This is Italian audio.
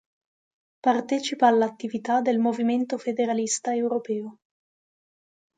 Partecipa all'attività del Movimento Federalista Europeo.